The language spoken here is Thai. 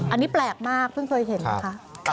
อันนี้แปลกมากเพิ่งเคยเห็นนะคะ